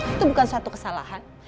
itu bukan suatu kesalahan